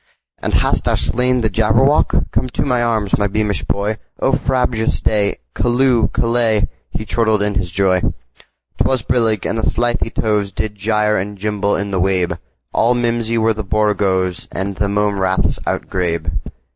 "And hast thou slain the Jabberwock? Come to my arms, my beamish boy!O frabjous day! Callooh! Callay!"He chortled in his joy.'T was brillig, and the slithy tovesDid gyre and gimble in the wabe; All mimsy were the borogoves, And the mome raths outgrabe.